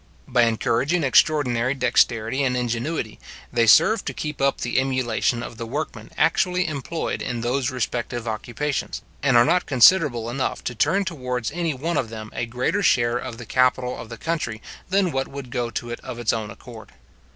By encouraging extraordinary dexterity and ingenuity, they serve to keep up the emulation of the workmen actually employed in those respective occupations, and are not considerable enough to turn towards any one of them a greater share of the capital of the country than what would go to it of its own accord.